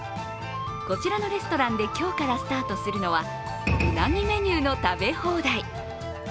こちらのレストランで今日からスタートするのはうなぎメニューの食べ放題。